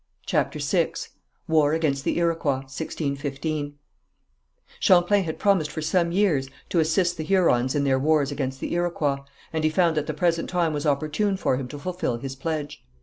CHAPTER VI WAR AGAINST THE IROQUOIS, 1615 Champlain had promised for some years to assist the Hurons in their wars against the Iroquois, and he found that the present time was opportune for him to fulfil his pledge.